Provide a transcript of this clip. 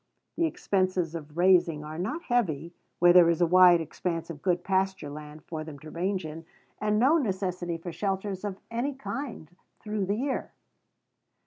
The expenses of raising are not heavy where there is a wide expanse of good pasture land for them to range in, and no necessity for shelters of any kind through the year.